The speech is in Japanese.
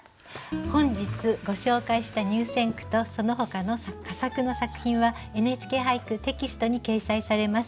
本日ご紹介した入選句とそのほかの佳作の作品は「ＮＨＫ俳句」テキストに掲載されます。